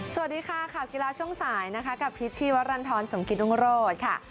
สวัสดีค่ะข่าวกีฬาช่วงสายนะคะกับพิษชีวรรณฑรสมกิตรุงโรธค่ะ